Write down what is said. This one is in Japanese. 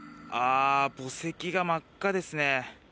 墓石が真っ赤ですね。